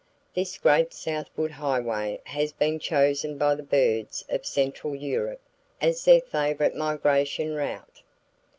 This great southward highway has been chosen by the birds of central Europe as their favorite migration route.